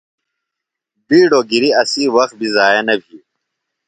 بِیڈوۡ گِری اسی وخت بی ضائع نہ بھی۔